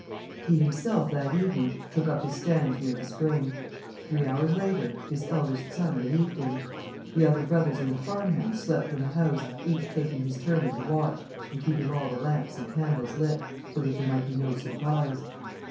He himself, that evening, took up his stand near the spring. Three hours later, his eldest son relieved him. The other brothers and the farm hands slept in the house, each taking his turn of the watch and keeping all the lamps and candles lit, so that there might be no surprise.